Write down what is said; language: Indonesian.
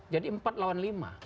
jadi empat lawan lima